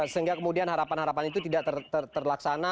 sehingga kemudian harapan harapan itu tidak terlaksana